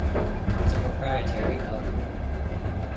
It's a proprietary algorithm.